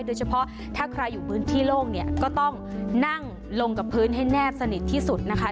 โดยเฉพาะถ้าใครอยู่พื้นที่โล่งเนี่ยก็ต้องนั่งลงกับพื้นให้แนบสนิทที่สุดนะคะ